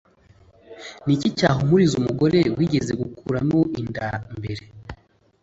Ni iki cyahumuriza umugore wigeze gukuramo inda mbere